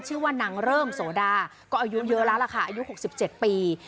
ชื่อว่านางเริ่มโสดาก็อายุเยอะแล้วล่ะค่ะอายุ๖๗ปี